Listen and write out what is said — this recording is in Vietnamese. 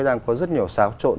đang có rất nhiều xáo trộn